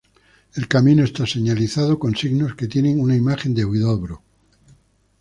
El camino está señalizado con signos que tienen una imagen de Huidobro.